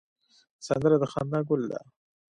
سندره د خندا ګل ده